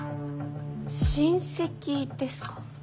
親戚ですか？